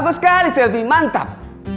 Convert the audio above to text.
bagus sekali selfie mantap